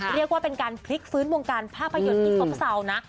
เรียกว่าเป็นการพลิกฟื้นวงการภาพยนตร์ที่ซบเซานะ